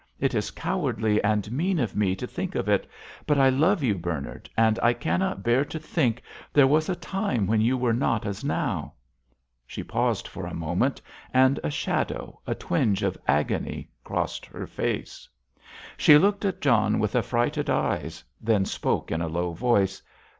It is cowardly and mean of me to think of it, but I love you, Bernard, and I cannot bear to think there was a time when you were not as now." She paused for a moment, and a shadow, a twinge of agony crossed her face. She looked at John with affrighted eyes, then spoke in a low voice.